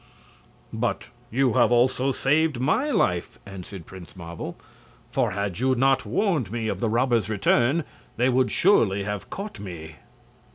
"But you have also saved my life," answered Prince Marvel; "for had you not warned me of the robbers' return they would surely have caught me."